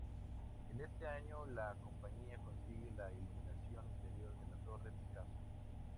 En este año, la compañía consigue la iluminación interior de la Torre Picasso.